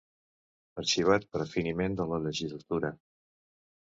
Arxivat per finiment de la legislatura.